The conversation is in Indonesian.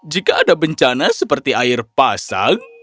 jika ada bencana seperti air pasang